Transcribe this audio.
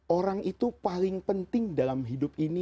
orang itu paling penting dalam hidup ini